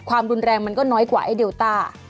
ความรุนแรงมันก็น้อยกว่าไอ้เดลต้า